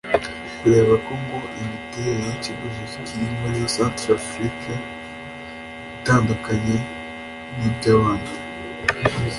kubera ko ngo imiterere y’ikibazo kiri muri Centrafrique itandukanye n’iby’abandi